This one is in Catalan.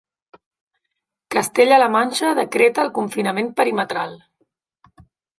Castella-La Manxa decreta el confinament perimetral.